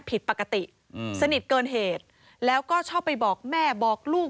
ผิดปกติอืมสนิทเกินเหตุแล้วก็ชอบไปบอกแม่บอกลูก